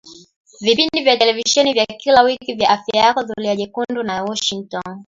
vipindi vya televisheni vya kila wiki vya Afya Yako Zulia Jekundu na Washingotn